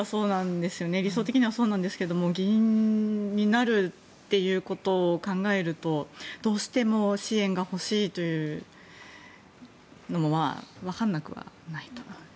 理想的にはそうなんですけども議員になるということを考えるとどうしても支援が欲しいというのも分からなくはないと。